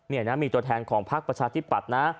นี่นะมีตัวแทนของพักประชาธิปัตย์นะ